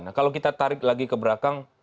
nah kalau kita tarik lagi ke belakang